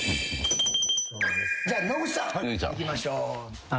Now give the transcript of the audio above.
じゃあ野口さんいきましょう。